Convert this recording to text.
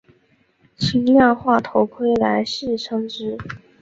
轻量化头盔来戏称之。